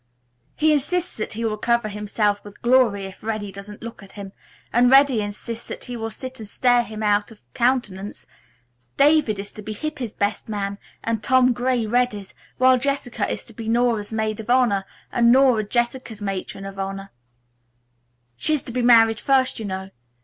"He insists that he will cover himself with glory if Reddy doesn't look at him, and Reddy insists that he will sit and stare him out of countenance. David is to be Hippy's best man and Tom Gray Reddy's, while Jessica is to be Nora's maid of honor and Nora Jessica's matron of honor. She's to be married first, you know.